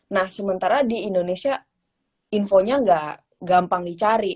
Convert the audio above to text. nah sementara di indonesia infonya nggak gampang dicari